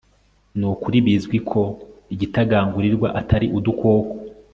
Nukuri bizwi ko igitagangurirwa atari udukoko